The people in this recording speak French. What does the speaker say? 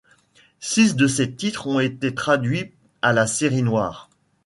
Six de ses titres ont été traduits à la Série noire.